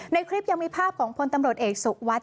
ในคลิปยังมีภาพของพลตำรวจเอกสุวัสดิ